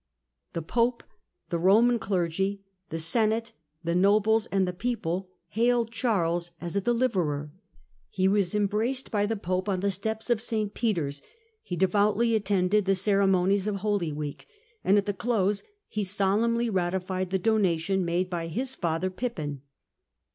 The pope, the Roman clergy, the senate, the nobles, the people, hailed Charles as a deliverer. He was em braced by the pope on the steps of St. Peter's^ he devoutly attended the ceremonies of Holy Week, and at the close he solemnly ratified the donation made by his father Pippin.